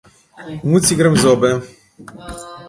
Umiti si grem zobe.